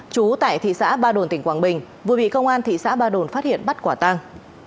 chú tại thị xã ba đồn tỉnh quảng bình vừa bị công an thị xã ba đồn phát hiện bắt quả tăng